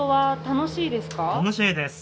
楽しいです。